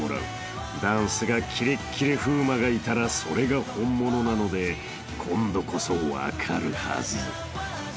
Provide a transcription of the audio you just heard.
［ダンスがキレッキレ風磨がいたらそれが本物なので今度こそ分かるはず］